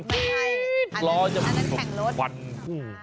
ไม่ใช่อันนั้นแข่งรถ